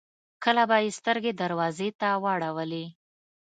کله به يې سترګې دروازې ته واړولې.